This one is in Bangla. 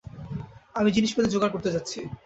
আমি জিনিসপাতি জোগাড় করতে যাচ্ছি।